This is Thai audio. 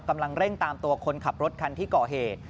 กำลังเร่งตามตัวคนขับรถคันที่ก่อเหตุ